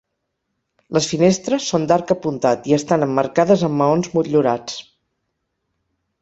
Les finestres són d'arc apuntat i estan emmarcades amb maons motllurats.